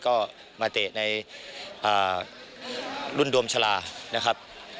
ก็มาเตะในรุ่นโดมชะลา